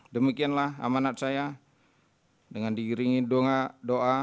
demikianlah amanat saya dengan diiringi doa